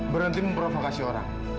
berhenti memprovokasi orang